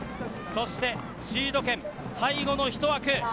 そしてシード権、最後のひと枠。